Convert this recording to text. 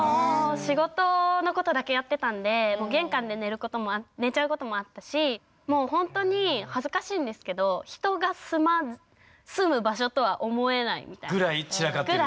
仕事のことだけやってたんで玄関で寝ちゃうこともあったしもうほんとに恥ずかしいんですけどぐらい散らかってる。